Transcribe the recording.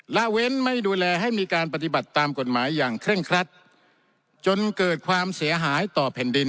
ละเว้นไม่ดูแลให้มีการปฏิบัติตามกฎหมายอย่างเคร่งครัดจนเกิดความเสียหายต่อแผ่นดิน